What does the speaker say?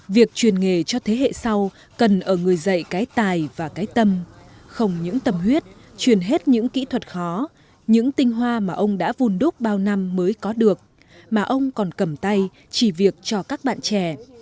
việc truyền nghề cho thế hệ sau cần ở người dạy cái tài và cái tâm không những tâm huyết truyền hết những kỹ thuật khó những tinh hoa mà ông đã vun đúc bao năm mới có được mà ông còn cầm tay chỉ việc cho các bạn trẻ